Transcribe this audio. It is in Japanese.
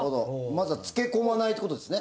まずは漬け込まないって事ですね。